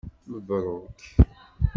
Mebruk.